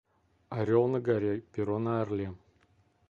Орел на горе, перо на орле.